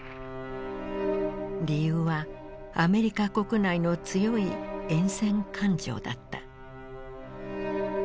理由はアメリカ国内の強い厭戦感情だった。